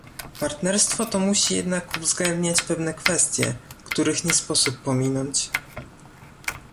Partnerstwo to musi jednak uwzględniać pewne kwestie, których nie sposób pominąć